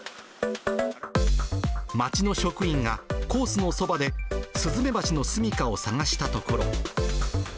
町の職員がコースのそばでスズメバチの住みかを探したところ。